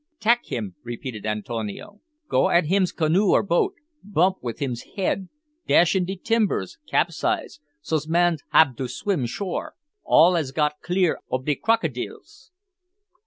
"Tak him," repeated Antonio. "Go at him's canoe or boat bump with him's head dash in de timbers capsize, so's man hab to swim shore all as got clear ob de crokidils."